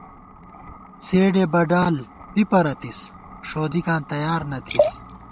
څېڈے بَڈال پی پَرَتِس ، ݭودِکاں تیار نہ تھِس